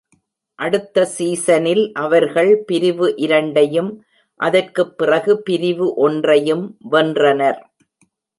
அடுத்த சீசனில் அவர்கள் பிரிவு இரண்டையும், அதற்குப் பிறகு பிரிவு ஒன்றையும் வென்றனர்.